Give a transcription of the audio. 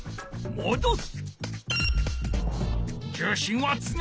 もどす！